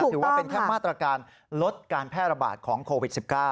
ถือว่าเป็นแค่มาตรการลดการแพร่ระบาดของโควิด๑๙